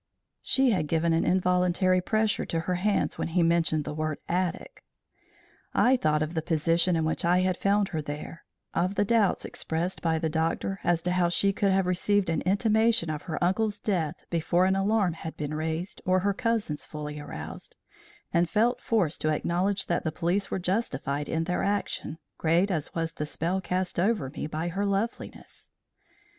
She had given an involuntary pressure to her hands when he mentioned the word attic. I thought of the position in which I had found her there; of the doubts expressed by the doctor as to how she could have received an intimation of her uncle's death before an alarm had been raised or her cousins fully aroused, and felt forced to acknowledge that the police were justified in their action, great as was the spell cast over me by her loveliness.